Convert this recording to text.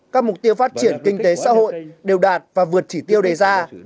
các mục tiêu phát triển kinh tế xã hội đều đạt và vượt chỉ tiêu đề ra